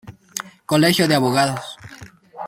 Colegio de Abogados.